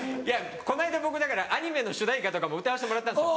この間僕だからアニメの主題歌とかも歌わせてもらったんですよ。